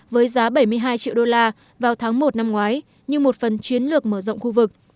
với giá bảy mươi hai triệu đô la vào tháng một năm ngoái như một phần chiến lược mở rộng khu vực